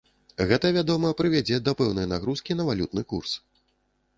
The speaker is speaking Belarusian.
Гэта, вядома, прывядзе да пэўнай нагрузкі на валютны курс.